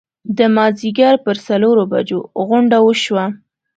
د مازیګر پر څلورو بجو غونډه وشوه.